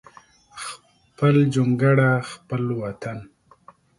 خپل جونګړه خپل وطن